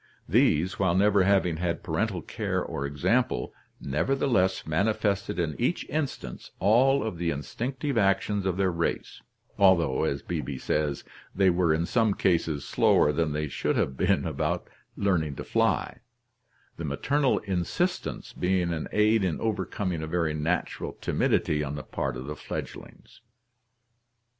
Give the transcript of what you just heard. These, while never having had parental care or example, nevertheless manifested in each instance all of the instinctive actions of their race, although, as Beebe says, they were in some cases slower than they should have been about learning to fly, the maternal insistence being an aid in overcoming a very natural timidity on the part of the fledgelings.